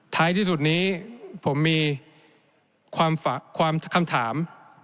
ท้ายที่สุดนี้ผมมีความคำถาม